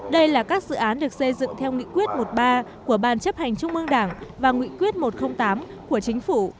đây là các dự án được xây dựng theo nghị quyết một mươi ba của ban chấp hành trung mương đảng và nghị quyết một trăm linh tám của chính phủ